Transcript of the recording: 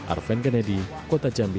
arven genedi kota jambi